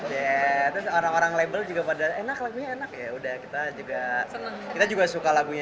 ya terus orang orang label juga pada enak lagunya enak ya udah kita juga senang kita juga suka lagunya